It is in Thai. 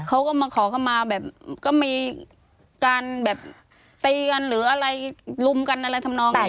เขาก็มาขอเข้ามาแบบก็มีการแบบตีกันหรืออะไรลุมกันอะไรทำนองแบบนี้